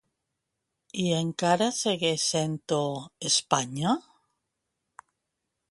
I encara segueix sent-ho Espanya?